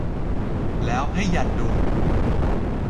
แล้วให้ยันดู